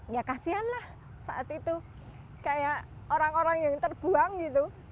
ya kasian lah saat itu kayak orang orang yang terbuang gitu